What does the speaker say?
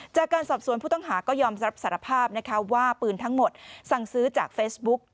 จากการสอบสวนผู้ต้องหาก็ยอมรับสารภาพนะคะว่าปืนทั้งหมดสั่งซื้อจากเฟซบุ๊ก